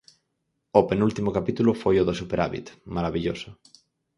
O penúltimo capítulo foi o do superávit, marabilloso.